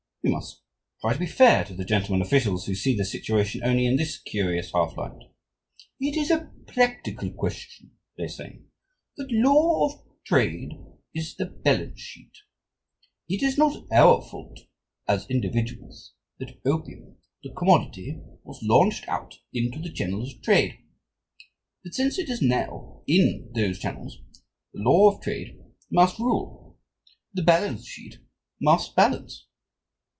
We must try to be fair to the gentlemen officials who see the situation only in this curious half light. "It is a practical question," they say. "The law of trade is the balance sheet. It is not our fault as individuals that opium, the commodity, was launched out into the channels of trade; but since it is now in those channels, the law of trade must rule, the balance sheet must balance.